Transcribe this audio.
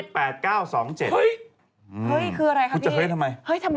เฮ้ยคืออะไรครับพี่วิคุณจะเฮียดทำไม